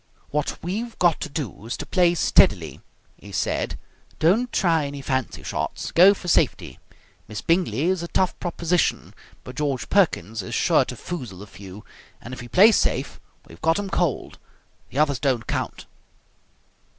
"What we've got to do is to play steadily," he said. "Don't try any fancy shots. Go for safety. Miss Bingley is a tough proposition, but George Perkins is sure to foozle a few, and if we play safe we've got 'em cold. The others don't count."